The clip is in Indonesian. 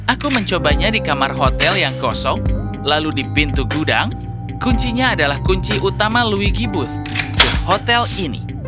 aku mencobanya di kamar hotel yang kosong lalu di pintu gudang kuncinya adalah kunci utama louigi booth ke hotel ini